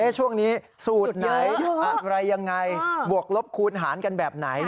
ช่วงนี้สูตรไหนอะไรยังไงบวกลบคูณหารกันแบบไหน